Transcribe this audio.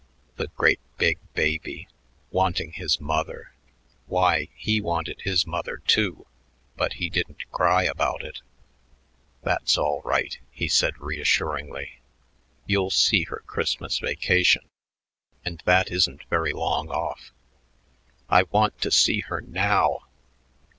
The great big baby, wanting his mother! Why, he wanted his mother, too, but he didn't cry about it. "That's all right," he said reassuringly; "you'll see her Christmas vacation, and that isn't very long off." "I want to see her now!"